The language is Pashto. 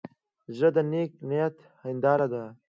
زړه د نیک نیت هنداره ده.